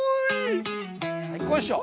最高っしょ。